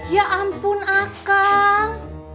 ya ampun akang